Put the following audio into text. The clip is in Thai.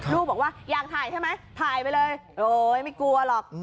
ลูกบอกว่าอยากถ่ายใช่ไหมถ่ายไปเลยโอ๊ยไม่กลัวหรอก